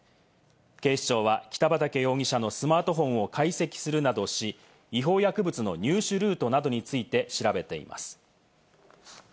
警視庁は北畠容疑者のスマートフォンを解析するなどし、違法薬物の入手ルートなどについて調べています。